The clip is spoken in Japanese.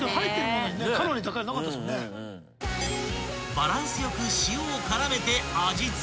［バランス良く塩を絡めて味付け］